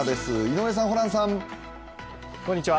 井上さん、ホランさん。